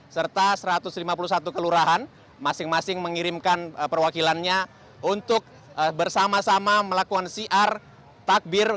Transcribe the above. serta satu ratus lima puluh satu kelurahan masing masing mengirimkan perwakilannya untuk bersama sama melakukan siar takbir